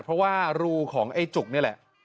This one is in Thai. เพราะว่ารูของไอ้จุกนี่แหละ